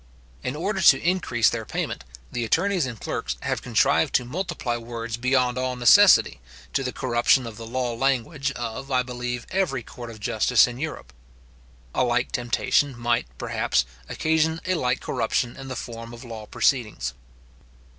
In order to increase their payment, the attorneys and clerks have contrived to multiply words beyond all necessity, to the corruption of the law language of, I believe, every court of justice in Europe. A like temptation might, perhaps, occasion a like corruption in the form of law proceedings.